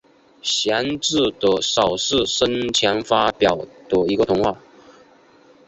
贤治的少数生前发表的一个童话。